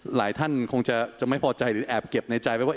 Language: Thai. หลายท่านคงจะไม่พอใจหรือแอบเก็บในใจไปว่า